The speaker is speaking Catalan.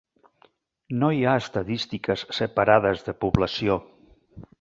No hi ha estadístiques separades de població.